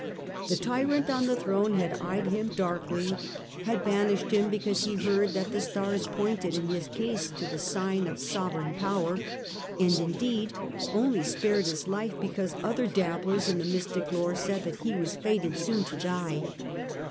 The tyrant on the throne had eyed him darkly, had banished him because he heard that the stars pointed in his case to the signs of sovereign power, and indeed only spared his life because other dabblers in the mystic lore said that he was fated soon to die.